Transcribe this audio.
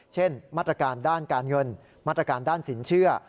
เช่นมาตรการด้านการเงินมาตรการด้านสินเชื่อ